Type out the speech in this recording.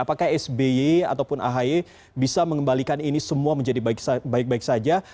apakah sby ataupun ahy bisa mengembalikan ini semua menjadi baik baik saja